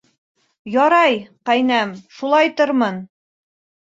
Ярай, ҡәйнәм, шулайтырмын.